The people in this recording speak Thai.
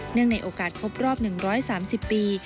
ในโอกาสครบรอบ๑๓๐ปี